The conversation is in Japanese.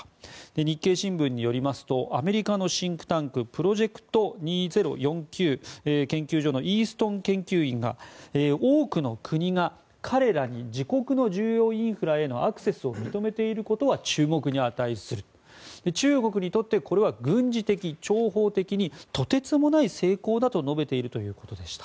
日経新聞によりますとアメリカのシンクタンクＰｒｏｊｅｃｔ２０４９研究所のイーストン研究員が多くの国が彼らに自国の重要インフラへのアクセスを認めていることは注目に値する中国にとってこれは軍事的・諜報的にとてつもない成功だと述べているということでした。